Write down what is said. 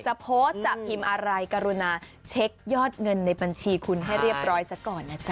จะโพสต์จะพิมพ์อะไรกรุณาเช็คยอดเงินในบัญชีคุณให้เรียบร้อยซะก่อนนะจ๊